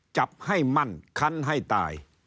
จับให้มั่นคันให้ตาย